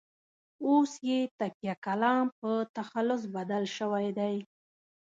اوس یې تکیه کلام په تخلص بدل شوی دی.